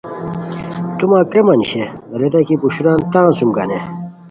تو مہ کریمہ نیشے ریتائے کی پوشوران تان سوم گانی